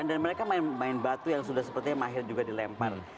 dan mereka main main batu yang sudah sepertinya mahir juga dilempar